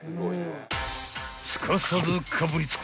［すかさずかぶりつく］